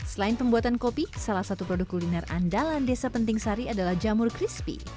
selain pembuatan kopi salah satu produk kuliner andalan desa penting sari adalah jamur crispy